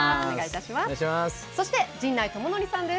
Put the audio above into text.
そして、陣内智則さんです。